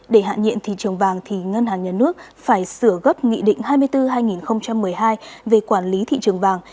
để hạn nhiệm thị trường vàng thì ngân hàng nhà nước phải sửa gấp nghị định hai mươi bốn hai nghìn một mươi hai về quản lý thị trường vàng